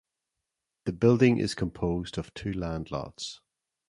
The building is composed of two land lots.